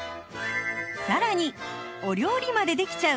さらにお料理までできちゃう！